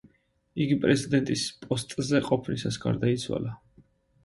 იგი პრეზიდენტის პოსტზე ყოფნისას გარდაიცვალა.